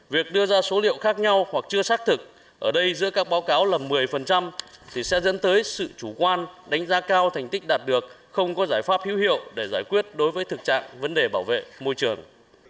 việc đưa ra số liệu khác nhau hoặc chưa xác thực ở đây giữa các báo cáo là một mươi thì sẽ dẫn tới sự chủ quan đánh giá cao thành tích đạt được không có giải pháp hữu hiệu để giải quyết đối với thực trạng vấn đề bảo vệ môi trường